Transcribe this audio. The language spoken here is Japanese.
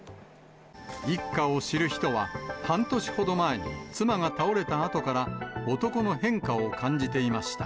一家を知る人は、半年ほど前に妻が倒れたあとから、男の変化を感じていました。